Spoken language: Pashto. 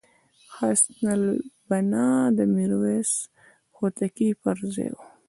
حسن البناء د میرویس هوتکي پرځای وو.